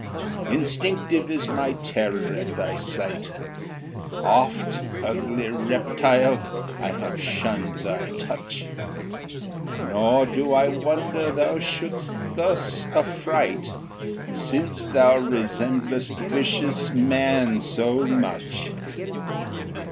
Instinctive is my terror at. thy sight; Oft, ugly reptile, have I shunned thy touch; Nor do I wonder thou should'st thus affright, Since thou resemblest vicious man so much.